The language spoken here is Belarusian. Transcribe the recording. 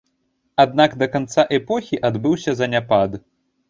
Аднак да канца эпохі адбыўся заняпад.